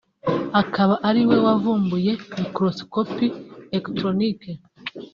akaba ari we wavumbuye microscope electronique